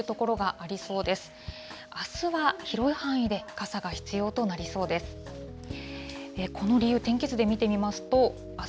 あすは広い範囲で傘が必要となりそうです。